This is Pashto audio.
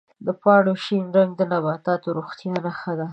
د پاڼو شین رنګ د نباتاتو د روغتیا نښه ده.